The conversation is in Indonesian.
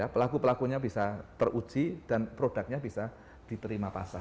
pelaku pelakunya bisa teruji dan produknya bisa diterima pasar